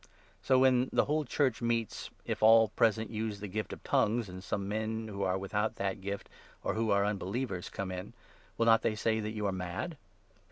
So, 23 when the whole Church meets, if all present use the gift of 'tongues,' and some men who are without the gift, or who are unbelievers, come in, will not they say that you are mad